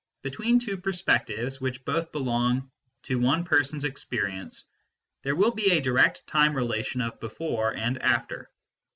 Between two perspectives which both belong to one person s experience, there will be a direct time relation of before and after.